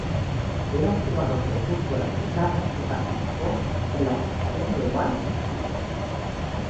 Era un jugador de fútbol americano que participó en la posición de wide receiver.